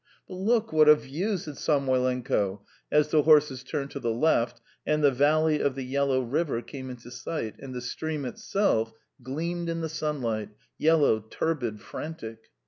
"But look, what a view!" said Samoylenko as the horses turned to the left, and the valley of the Yellow River came into sight and the stream itself gleamed in the sunlight, yellow, turbid, frantic.